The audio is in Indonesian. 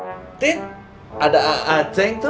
entin ada aceh itu